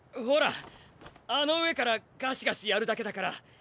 ほらあの上からガシガシやるだけだから！